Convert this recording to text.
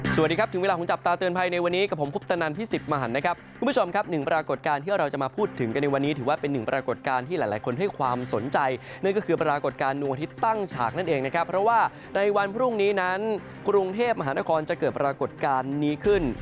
สวัสดีครับถึงเวลาของจับตาเตือนภัยในวันนี้กับผมคุปตนันพิสิทธิ์มหันนะครับคุณผู้ชมครับหนึ่งปรากฏการณ์ที่เราจะมาพูดถึงกันในวันนี้ถือว่าเป็นหนึ่งปรากฏการณ์ที่หลายคนให้ความสนใจนั่นก็คือปรากฏการณ์อาทิตย์ตั้งฉากนั่นเองนะครับเพราะว่าในวันพรุ่งนี้นั้นกรุงเทพมหานครจะเกิดปรากฏการณ์นี้ขึ้น